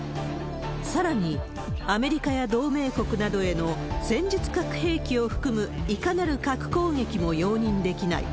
さらに、アメリカや同盟国などへの、戦術核兵器を含むいかなる核攻撃も容認できない。